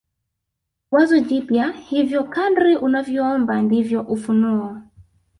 wazo jipya Hivyo kadri unavyoomba ndivyo ufunuo